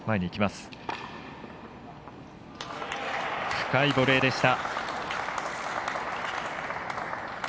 深いボレーでした。